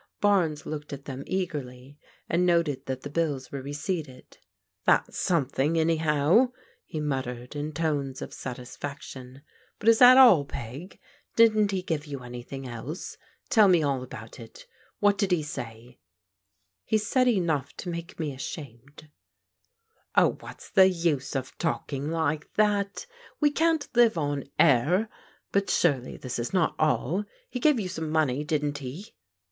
Barnes looked at them eagerly and noted that the bills were receipted. " That's something, anyhow," he muttered in tones of satisfaction. " But is lillaaX. ^, ^^^1 \^\^\. Vir. ^^^ ^pwi THE HOME OP THE BAENES 295 anything — else? Tell me all about it. What did he say?'* " He said enough to make me ashamed." " Oh, what's the use of talking like that ? We can't live on air. But surely this is not all. He gave you somt money, didn't he